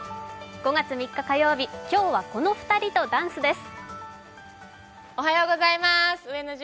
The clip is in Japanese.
５月３日火曜日、今日はこの２人とダンスです。